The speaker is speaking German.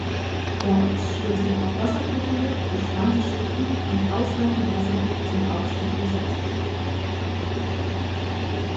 Dort stößt er auf wasserführende, gespannte Schichten mit ausreichend Wasserdruck zum Aufstieg des Wassers.